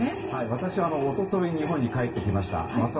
私は一昨日日本に帰ってきました。